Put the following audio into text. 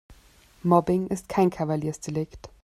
Mobbing ist kein Kavaliersdelikt.